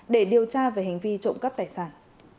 để điều tra về hành vi trụng cấp tài sản